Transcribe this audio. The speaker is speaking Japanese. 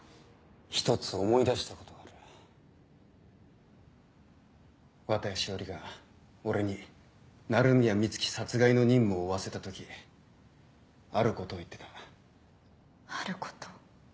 １つ思い出したことがある綿谷詩織が俺に鳴宮美月殺害の任務を負わせた時あることを言ってたあること？